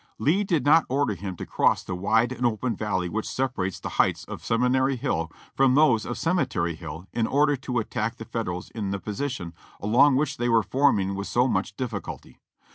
Lee did not order him to cross the wide and open valley which separates the heights of Seminary Hill from those of Cemetery Hill in order to attack the Federals in the position along which the} were forming with so much diffi culty.